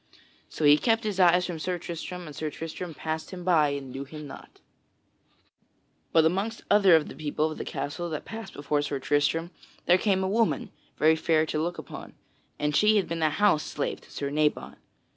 So he kept his eyes from Sir Tristram, and Sir Tristram passed him by and knew him not. [Sidenote: Sir Tristram beholds Sir Lamorack's ring] But amongst other of the people of the castle that passed before Sir Tristram, there came a woman, very fair to look upon, and she had been a house slave to Sir Nabon.